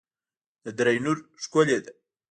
د دره نور ښکلې ده